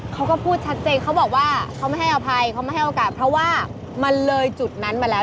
เขาก็พูดชัดเจนเขาบอกว่าเขาไม่ให้อภัยเขาไม่ให้โอกาสเพราะว่ามันเลยจุดนั้นมาแล้ว